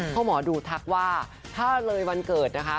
เพราะหมอดูทักว่าถ้าเลยวันเกิดนะคะ